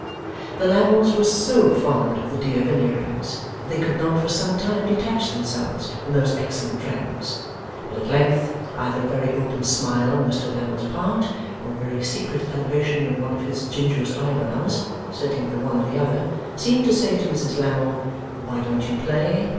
The Lammles were so fond of the dear Veneerings that they could not for some time detach themselves from those excellent friends; but at length, either a very open smile on Mr Lammle's part, or a very secret elevation of one of his gingerous eyebrows certainly the one or the other seemed to say to Mrs Lammle, 'Why don't you play?